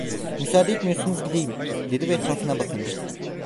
"Müsaade etmiyorsanız gideyim!" dedi ve etrafına bakındı.